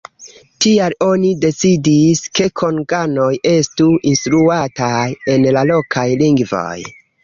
Tial oni decidis, ke konganoj estu instruataj en la lokaj lingvoj.